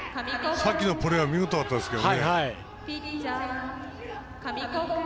さっきのプレーは見事でしたけどね。